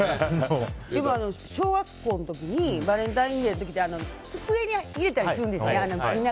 小学校の時にバレンタインデーの時って机に入れたりするんですね